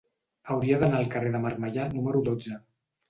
Hauria d'anar al carrer de Marmellà número dotze.